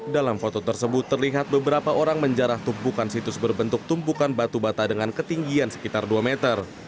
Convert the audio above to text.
dalam foto tersebut terlihat beberapa orang menjarah tumpukan situs berbentuk tumpukan batu bata dengan ketinggian sekitar dua meter